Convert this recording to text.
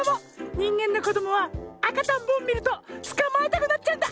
にんげんのこどもはあかとんぼをみるとつかまえたくなっちゃうんだ！